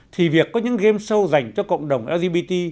thì việc có những game show dành cho cộng đồng lgbt